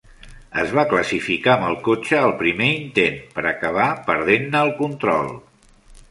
Es va classificar amb el cotxe al primer intent, per acabar perdent-ne el control.